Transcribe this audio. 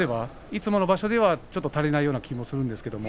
いつもの場所では、ちょっと足りないような気がします。